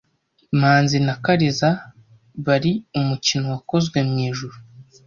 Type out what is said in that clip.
Manzi na Kariza bari umukino wakozwe mwijuru.